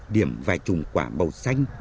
điểm vài chùng quả màu xanh